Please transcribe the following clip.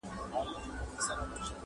د بېلتون په شپه وتلی مرور جانان به راسي!!